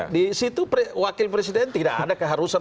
di situ wakil presiden tidak ada keharusan